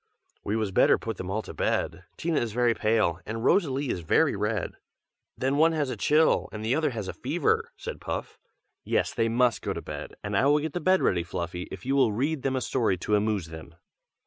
"We was better put them all to bed. Tina is very pale, and Rosalie is very red." "Then one has a chill, and the other has a fever," said Puff. "Yes, they must go to bed; and I will get the bed ready, Fluffy, if you will read them a story to amoose them."